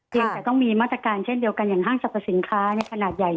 ยังแต่ต้องมีมาตรการเช่นเดียวกันอย่างห้างสรรพสินค้าในขนาดใหญ่